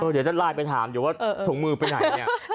เดี๋ยวจะไลน์ไปถามเดี๋ยวว่าถุงมือไปไหนเนี่ย